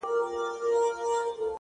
واپس دې وخندل واپس راپسې وبه ژاړې”